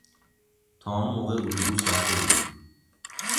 تا آن موقع اتوبوس رفته بود.